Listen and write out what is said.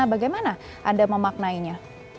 bagaimana anda memaknainya